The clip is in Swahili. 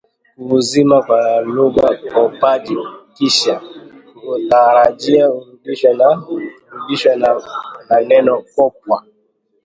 kuuazima kwa lugha kopaji kisha kuutarajia urudishwe na neno kopwa